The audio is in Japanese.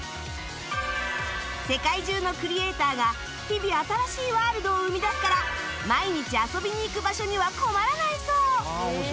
世界中のクリエイターが日々新しいワールドを生み出すから毎日遊びに行く場所には困らないそう